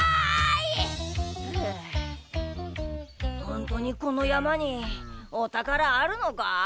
ほんとにこのやまにおたからあるのか？